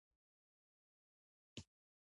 خو د ډېپو مسوول بل څه وايې.